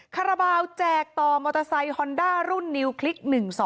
คาราบาลแจกต่อมอเตอร์ไซค์ฮอนด้ารุ่นนิวคลิก๑๒